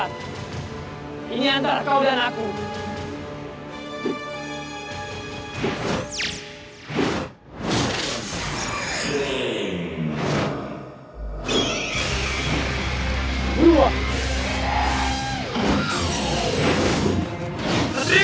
akhirnya datang juga karya